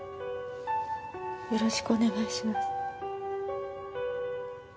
よろしくお願いします。